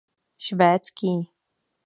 Švédský.